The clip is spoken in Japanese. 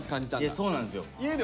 そうなんですよ。